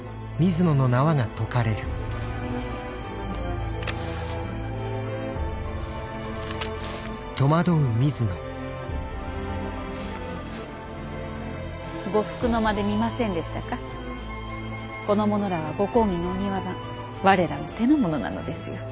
この者らはご公儀の御庭番我らの手のものなのですよ。